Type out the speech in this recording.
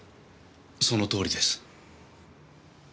そのとおりです。